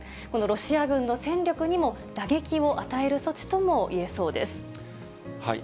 このロシア軍の戦力にも打撃を与える措置ともいえそうです。